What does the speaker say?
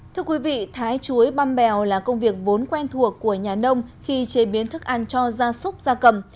thưa quý vị thái chuối băm bèo là công việc vốn quen thuộc của nhà nông khi chế biến thức ăn cho gia súc gia cầm